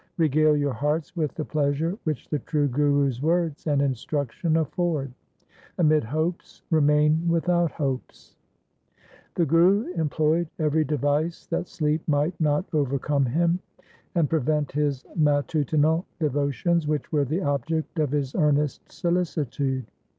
Regale your hearts with the pleasure which the true Gurus' words and instruction afford. Amid hopes remain without hopes. 1 1 War XXVIII. T 2 276 THE SIKH RELIGION The Guru employed every device that sleep might not overcome him, and prevent his matutinal devo tions which were the object of his earnest solicitude.